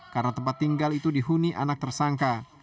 karena tempat tinggal itu dihuni anak tersangka